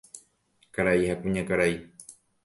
Karai ha kuñakarai.